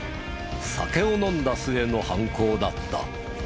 酒を飲んだ末の犯行だった。